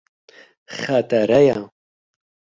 Xetere ye.